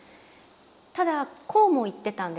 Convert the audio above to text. ただこうも言ってたんです。